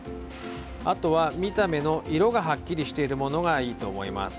あとは見た目の色がはっきりしているものがいいと思います。